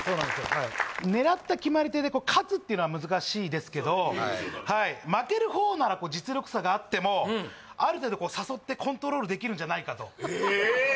はい狙った決まり手で勝つっていうのは難しいですけど負ける方なら実力差があってもある程度誘ってコントロールできるんじゃないかとええ！？